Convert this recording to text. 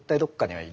はい。